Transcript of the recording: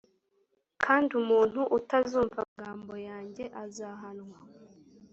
kandi umuntu utazumva amagambo yanjye azahanwa,